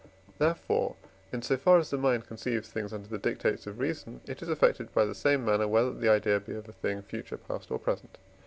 therefore, in so far as the mind conceives things under the dictates of reason, it is affected in the same manner, whether the idea be of a thing future, past, or present.